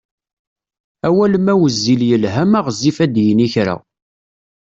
Awal ma wezzil yelha ma ɣezzif ad yini kra!